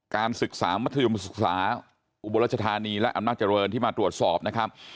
การศึกษามัธยมศึกษาอุบลรัชธานีและอำนาจเจริญที่มาตรวจสอบนะครับ